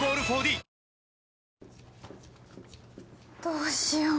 どうしよう